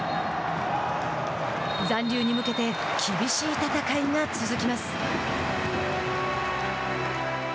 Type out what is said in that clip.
残留に向けて厳しい戦いが続きます。